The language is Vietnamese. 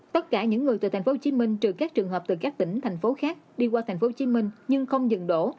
tất cả những người từ tp hcm trừ các trường hợp từ các tỉnh thành phố khác đi qua tp hcm nhưng không dừng đổ